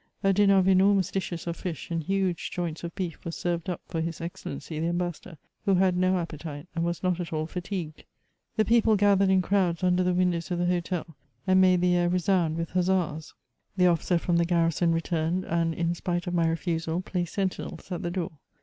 A dinner of enormous dishes of fish and huge joints of beef was served up for his Excellency the Ambassador, who had no appetite, and was not at all fatigued. The people gathered in crowds under the vnndows of the hotel, and made the air resound with huzzas. The officer from the garrison returned, and, in spite of my refusal, placed sentinels at the door.